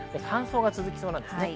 乾燥が続きそうです。